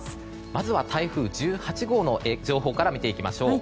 まずは台風１８号の情報から見ていきましょう。